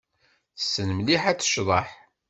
Tessen mliḥ ad tecḍeḥ.